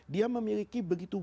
dia memiliki begitu